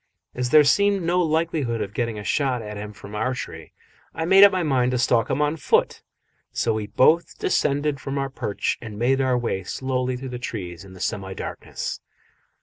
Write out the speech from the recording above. As there seemed no likelihood of getting a shot at him from our tree, I made up my mind to stalk him on foot, so we both descended from our perch and made our way slowly through the trees in the semi darkness.